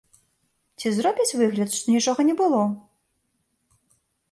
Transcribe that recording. Ці зробіць выгляд, што нічога не было?